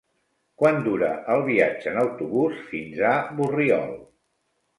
Quant dura el viatge en autobús fins a Borriol?